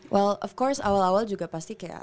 well of course awal awal juga pasti kayak